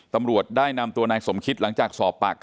ตำรวจได้นำตัวนายสมคิตหลังจากสอบปาก